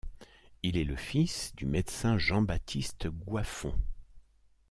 Il est le fils du médecin Jean-Baptiste Goiffon.